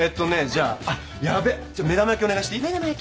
じゃあ目玉焼きお願いしていい？